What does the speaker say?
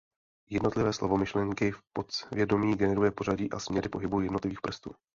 Jednotlivé slovo myšlenky v podvědomí generuje pořadí a směry pohybů jednotlivých prstů.